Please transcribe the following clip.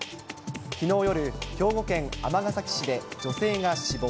きのう夜、兵庫県尼崎市で女性が死亡。